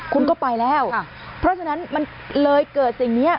คุณก็ไปแล้วเพราะฉะนั้นมันเลยเกิดสิ่งนี้